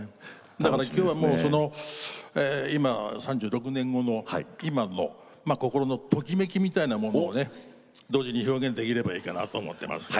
だから今日は今３６年後の今の心のときめきみたいなものをね同時に表現できればいいかなと思ってますけれども。